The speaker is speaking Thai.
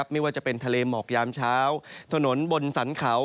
ไม่ว่าจะเป็นทะเลหมอกยามเช้าถนนบนสรรเขา